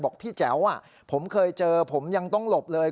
พี่แจ๋วผมเคยเจอผมยังต้องหลบเลย